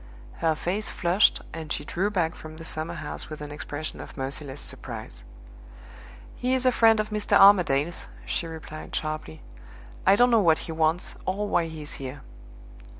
Her face flushed and she drew back from the summerhouse with an expression of merciless surprise. "He is a friend of Mr. Armadale's," she replied sharply. "I don't know what he wants, or why he is here."